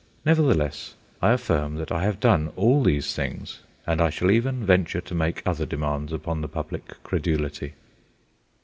Nevertheless I affirm that I have done all these things, and I shall even venture to make other demands upon the public credulity.